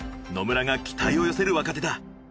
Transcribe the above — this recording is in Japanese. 野村が期待を寄せる若手だ。